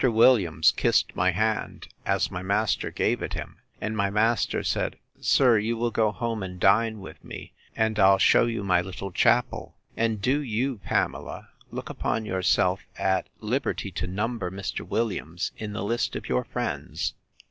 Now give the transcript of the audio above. Williams kissed my hand, as my master gave it him; and my master said, Sir, you will go home and dine with me, and I'll shew you my little chapel; and do you, Pamela, look upon yourself at liberty to number Mr. Williams in the list of your friends.